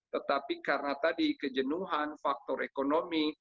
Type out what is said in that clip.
tetapi karena tadi kejenuhan faktor ekonomi